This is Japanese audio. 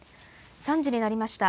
３時になりました。